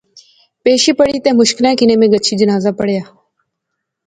پیشی پڑھی تے مشکلیں کنے میں گچھی جنازہ پڑھیا